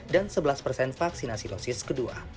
dan sebelas vaksinasi dosis kedua